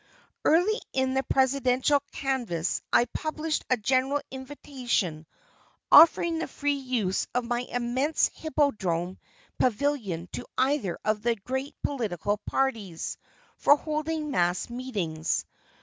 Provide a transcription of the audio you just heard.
Early in the presidential canvass I published a general invitation offering the free use of my immense Hippodrome pavilion to either of the great political parties, for holding mass meetings.